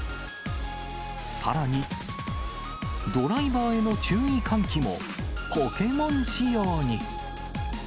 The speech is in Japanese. さらに、ドライバーへの注意喚起もポケモン仕様に。